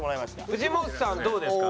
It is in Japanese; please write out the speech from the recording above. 藤本さんどうですか？